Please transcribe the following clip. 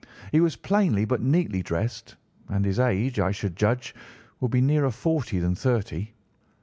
He was plainly but neatly dressed, and his age, I should judge, would be nearer forty than thirty.